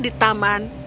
di tempat yang terlalu